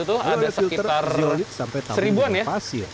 oh ada filter satu sampai tahun yang pas ya